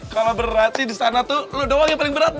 kalau berat sih di sana tuh lo doang yang paling berat do